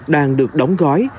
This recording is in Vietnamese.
đang được đóng gói